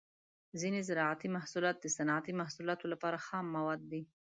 ځینې زراعتي محصولات د صنعتي محصولاتو لپاره خام مواد دي.